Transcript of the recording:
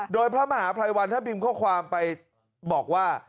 โดยพระมหาภัยวันท่านพิมพ์ข้อความไปบอกว่า